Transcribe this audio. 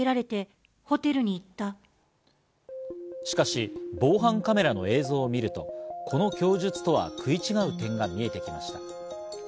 しかし、防犯カメラの映像を見ると、この供述とは食い違う点が見えてきました。